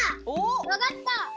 わかった！